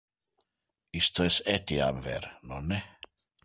Isto es etiam ver, nonne?